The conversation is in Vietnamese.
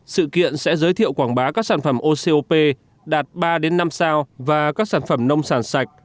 sự kiện sẽ giới thiệu quảng bá các sản phẩm ocop đạt ba năm sao và các sản phẩm nông sản sạch